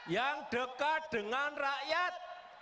yang dekat dengan rakyat